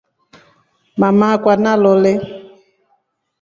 Mama akwa nalilole.